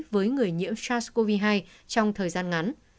với người nhiễm sars cov hai trong thời gian ngắn